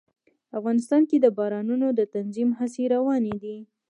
افغانستان کې د بارانونو د تنظیم هڅې روانې دي.